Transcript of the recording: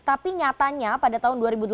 tapi nyatanya pada tahun dua ribu delapan belas